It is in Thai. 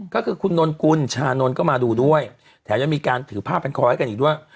ก็คือคุณนนกุลชานนท์ก็มาดูด้วยแถมยังมีการถือผ้าพันคอให้กันอีกด้วย